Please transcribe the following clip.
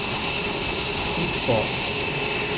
Icó